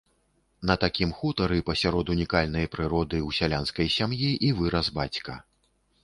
На такім хутары пасярод унікальнай прыроды ў сялянскай сям'і вырас бацька.